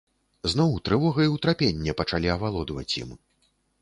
Зноў трывога і ўтрапенне пачалі авалодваць ім.